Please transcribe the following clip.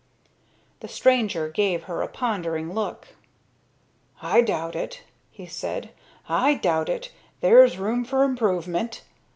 The stranger gave her a pondering look. "I doubt it," he said. "I doubt it. There's room for improvement.